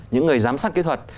những người giám sát kỹ thuật